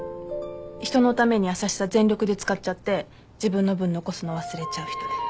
人のために優しさ全力で使っちゃって自分の分残すの忘れちゃう人で。